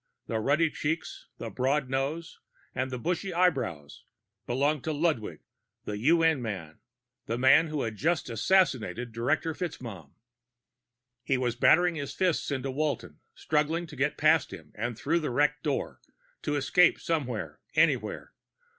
The ruddy cheeks, the broad nose and bushy eyebrows, belonged to Ludwig. The UN man. The man who had just assassinated Director FitzMaugham. He was battering his fists into Walton, struggling to get past him and through the wrecked door, to escape somewhere, anywhere.